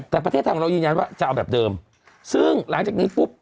แต่ประเทศไทยของเรายืนยันว่าจะเอาแบบเดิมซึ่งหลังจากนี้ปุ๊บ